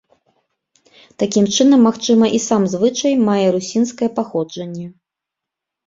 Такім чынам, магчыма, і сам звычай мае русінскае паходжанне.